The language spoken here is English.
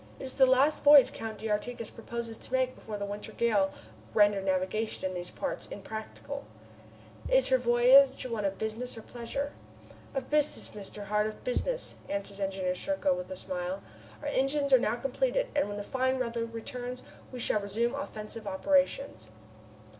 It is the last voyage Count d'Artigas proposes to make before the winter gales render navigation in these parts impracticable." "Is her voyage one of business or pleasure?" "Of business, Mr. Hart, of business," answered Engineer Serko with a smile. "Our engines are now completed, and when the fine weather returns we shall resume offensive operations."